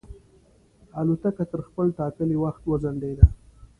الوتکه تر خپل ټاکلي وخت وځنډېده.